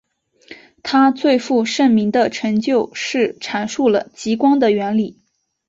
他最负盛名的成就是阐明了极光的原理。